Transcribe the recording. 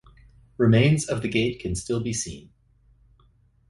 Remains of the gate can still be seen.